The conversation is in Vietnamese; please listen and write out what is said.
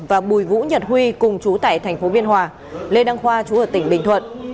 và bùi vũ nhật huy cùng chú tại thành phố biên hòa lê đăng khoa chú ở tỉnh bình thuận